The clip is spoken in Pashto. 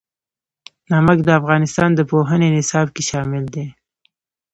نمک د افغانستان د پوهنې نصاب کې شامل دي.